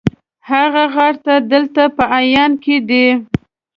هغه غار دلته په عمان کې دی.